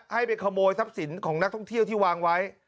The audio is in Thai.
ให้ไปขโมยทรัพย์สินของนักท่องเที่ยวที่วางไว้